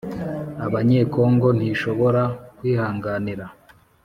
abanyekongo ntishobora kwihanganira